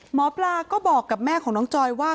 หมอปลาก็บอกกับแม่ของน้องจอยว่า